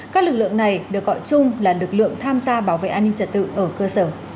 các lực lượng này được gọi chung là lực lượng tham gia bảo vệ an ninh trật tự ở cơ sở